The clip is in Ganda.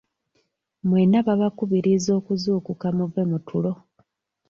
Mwenna babakubiriza okuzuukuka muve mu tulo.